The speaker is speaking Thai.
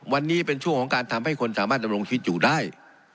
วันนี้เป็นช่วงของการทำให้คนสามารถดำรงชีวิตอยู่ได้